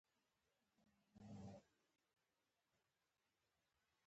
د پوهنتون ماحول په ليدلو سره زه پوه شوم.